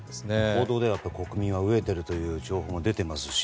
報道では国民は飢えているという情報が出ていますし